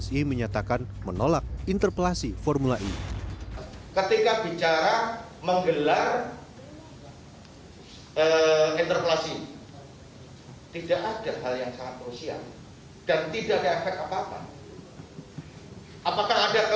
sama sekali tidak terbersih pun tidak